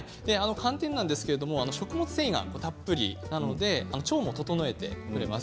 寒天ですが食物繊維がたっぷりなので腸を整えてくれます。